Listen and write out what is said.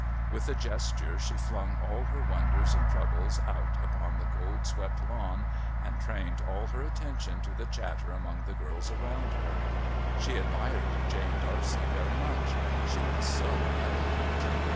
With a gesture she flung all her wonders and troubles out upon the gold swept lawn and trained all her attention to the chatter among the girls around her. She admired Jane D'Arcy very much; she was so "elegant."